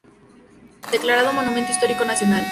Declarado Monumento Histórico Nacional.